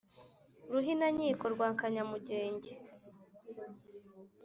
Ruhinankiko rwa Kanyamugenge